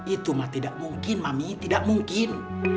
itu mah tidak mungkin mami tidak mungkin